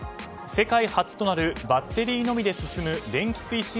世界初となるバッテリーのみで進む電気推進